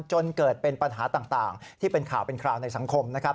จนเกิดเป็นปัญหาต่างที่เป็นข่าวเป็นคราวในสังคมนะครับ